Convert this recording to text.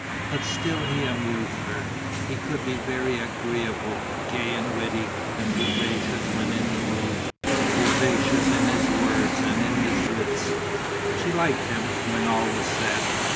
But still he amused her. He could be very agreeable, gay and witty and vivacious, when in the mood, vivacious in his words and in his wits. She liked him, when all was said.